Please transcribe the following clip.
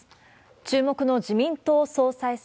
注目の自民党総裁選。